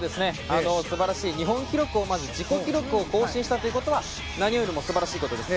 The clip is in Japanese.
素晴らしい日本記録を自己記録を更新したということは何よりも素晴らしいことです。